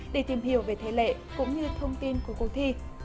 để tìm hiểu về thế lệ cũng như thông tin của cuộc thi